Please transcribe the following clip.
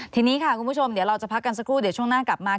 ทีนี้ค่ะคุณผู้ชมเดี๋ยวเราจะพักกันสักครู่เดี๋ยวช่วงหน้ากลับมา